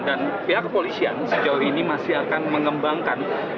dan pihak polisian sejauh ini masih akan mengembangkan